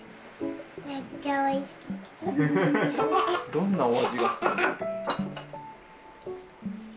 どんなお味がするの？